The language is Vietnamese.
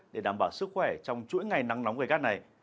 để đảm bảo sức khỏe trong chuỗi ngày nắng nóng gây gắt này